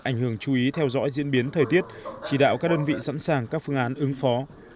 ảnh hưởng chú ý theo dõi diễn biến thời tiết chỉ đạo các đơn vị sẵn sàng các phương án ứng phó